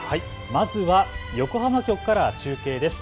まずは横浜局から中継です。